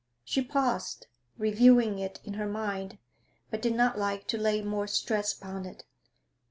She paused, reviewing it in her mind, but did netlike to lay more stress upon it.